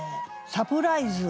「『サプライズ！』